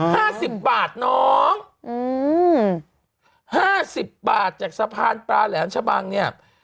ห้าสิบบาทน้องอืมห้าสิบบาทจากสะพานปลาแหลมชะบังเนี้ย